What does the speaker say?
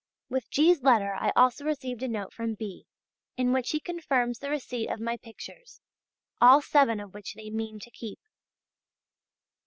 With G's. letter I also received a note from B. in which he confirms the receipt of my pictures, all seven of which they mean to keep.